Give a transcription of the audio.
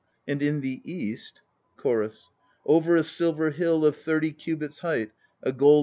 And in the east CHORUS. Over a silver hill of thirty cubits height A golden sun wheel rose.